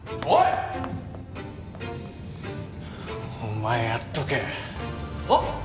お前やっとけ。はっ！？